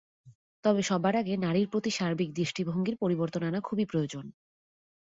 তবে সবার আগে নারীর প্রতি সার্বিক দৃষ্টিভঙ্গির পরিবর্তন আনা খুবই প্রয়োজন।